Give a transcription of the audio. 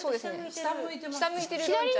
・下向いてる